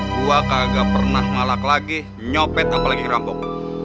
gua kagak pernah malak lagi nyopet apalagi kerampok